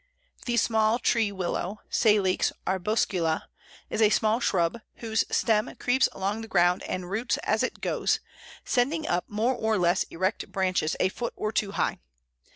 The Small Tree Willow (Salix arbuscula) is a small shrub, whose stem creeps along the ground and roots as it goes, sending up more or less erect branches a foot or two high.